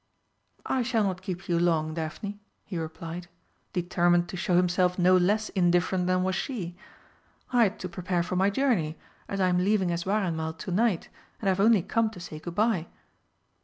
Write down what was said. "I shall not keep you long, Daphne," he replied, determined to show himself no less indifferent than was she. "I had to prepare for my journey, as I am leaving Eswareinmal to night, and I have only come to say good bye."